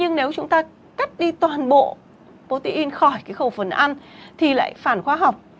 nhưng nếu chúng ta cắt đi toàn bộ protein khỏi cái khẩu phần ăn thì lại phản khoa học